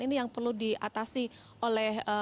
ini yang perlu diatasi oleh